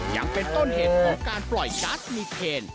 ยังเป็นต้นเหตุของการปล่อยการ์ดมีเคน